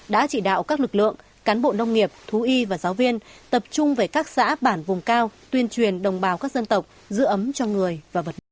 đã chỉ đạo các lực lượng cán bộ nông nghiệp thú y và giáo viên tập trung về các xã bản vùng cao tuyên truyền đồng bào các dân tộc giữ ấm cho người và vật nuôi